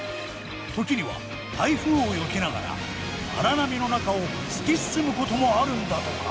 時には台風をよけながら荒波の中を突き進むこともあるんだとか。